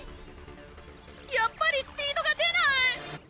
やっぱりスピードが出ない！